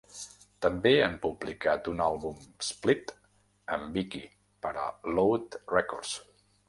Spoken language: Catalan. També han publicat un àlbum split amb Viki per a Load Records.